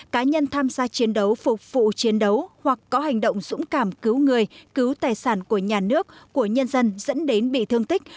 cá nhân tham gia chiến đấu phục vụ chiến đấu hoặc có hành động dũng cảm cứu người cứu tài sản của nhà nước của nhân dân dẫn đến bị thương tích